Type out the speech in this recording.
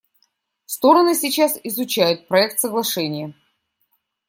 Стороны сейчас изучают проект соглашения.